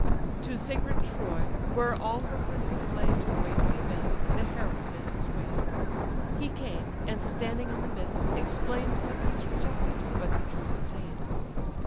To sacred Troy, where all her princes lay To wait the event, the herald bent his way. He came, and standing in the midst, explain'd The peace rejected, but the truce obtain'd.